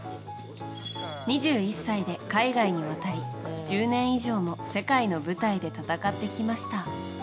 ２１歳で海外に向かい１０年以上も世界の舞台で戦ってきました。